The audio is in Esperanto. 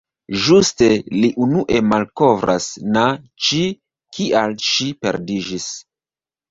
Ĝuste li unue malkovras na Ĉi kial ŝi perdiĝis.